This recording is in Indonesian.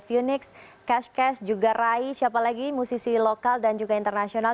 phoenix kes kes juga rai siapa lagi musisi lokal dan juga internasional